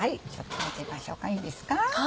見てみましょうかいいですか？